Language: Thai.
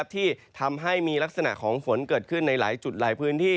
ที่ทำให้มีลักษณะของฝนเกิดขึ้นในหลายจุดหลายพื้นที่